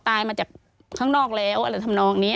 ตายมาจากข้างนอกแล้วอะไรทำนองนี้